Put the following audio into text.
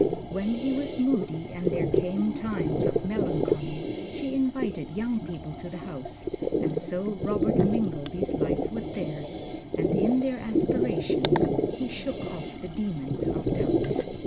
When he was moody and there came times of melancholy, she invited young people to the house; and so Robert mingled his life with theirs, and in their aspirations he shook off the demons of doubt.